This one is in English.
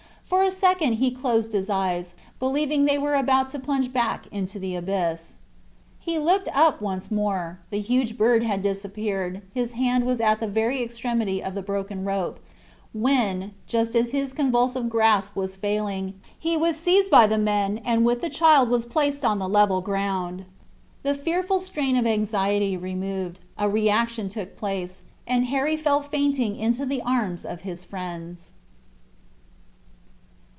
For a second he closed his eyes, believing they were about to plunge back into the abyss. He looked up once more; the huge bird had disappeared; his hand was at the very extremity of the broken rope—when, just as his convulsive grasp was failing, he was seized by the men, and with the child was placed on the level ground. The fearful strain of anxiety removed, a reaction took place, and Harry fell fainting into the arms of his friends.